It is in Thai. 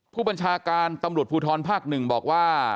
ผู้บัญชาการตำรวจภูทรภาค๑บอกว่า